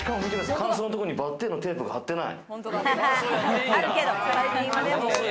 乾燥のところにバッテンのテープが貼ってない。